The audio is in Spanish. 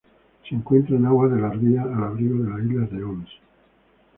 Se encuentra en aguas de la ría al abrigo de la isla de Ons.